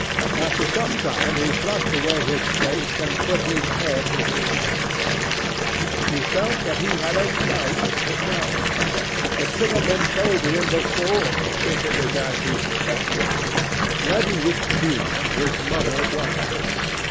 After some time, he thrust away his plate and put his head in his hands. He felt that he had a right to know. It should have been told to him before, if it was as he suspected. Leaden with fear, his mother watched him.